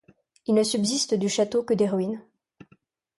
Il ne subsiste du château que des ruines.